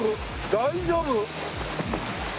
大丈夫？